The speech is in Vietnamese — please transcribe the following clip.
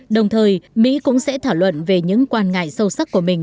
đồng thời mỹ cũng sẽ thảo luận về những quan ngại sâu sắc của mình